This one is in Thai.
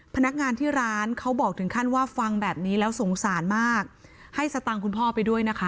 พนักงานที่ร้านเขาบอกถึงขั้นว่าฟังแบบนี้แล้วสงสารมากให้สตังค์คุณพ่อไปด้วยนะคะ